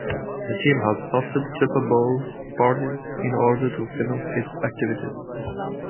The team has hosted Super Bowl parties in order to finance its activities.